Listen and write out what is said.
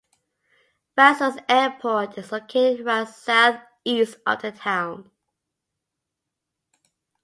Beccles Airport is located around southeast of the town.